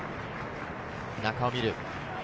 中を見る。